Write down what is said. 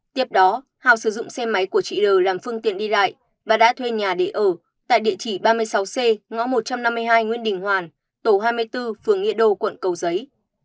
tiếp đó hào sử dụng xe máy của chị r làm phương tiện đi lại và đã thuê nhà để ở tại địa chỉ ba mươi sáu c ngõ một trăm năm mươi hai nguyễn đình hoàn tổ hai mươi bốn phường nghĩa đô quận cầu giấy